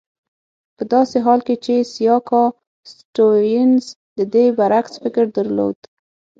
په داسې حال کې چې سیاکا سټیونز د دې برعکس فکر درلود.